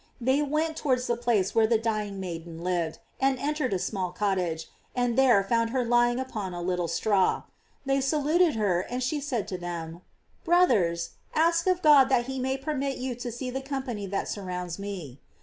They went towards the place where the dying maiden lived, entered a small cottage, and there found her lying upon a little straw. They saluted her, and she said to them: "Brothers, ask of God that he may permit you to see the company that surrounds me."